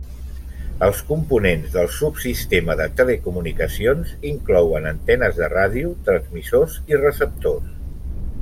Els components del subsistema de telecomunicacions inclouen antenes de ràdio, transmissors i receptors.